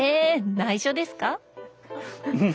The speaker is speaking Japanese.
内緒ですか？